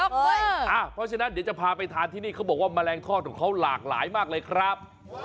เพราะฉะนั้นเดี๋ยวจะพาไปทานที่นี่เขาบอกว่าแมลงทอดของเขาหลากหลายมากเลยครับ